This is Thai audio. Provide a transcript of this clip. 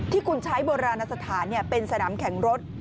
ที่คุณใช้โบราณสถานเป็นสนามแข่งรถ